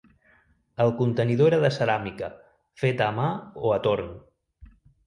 El contenidor era de ceràmica, feta a mà o a torn.